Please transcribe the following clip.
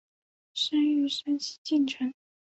生于山西晋城。